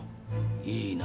いいな？